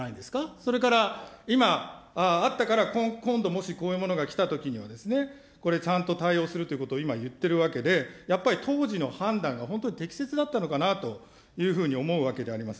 それから今、あったから、今度もし、こういうものが来たときには、これ、ちゃんと対応するということを今、言ってるわけで、やっぱり当時の判断が本当に適切だったのかなというふうに思うわけであります。